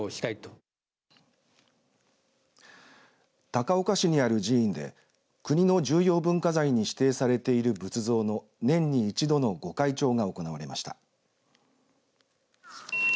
高岡市にある寺院で国の重要文化財に指定されている仏像の年に一度のご開帳が行われました。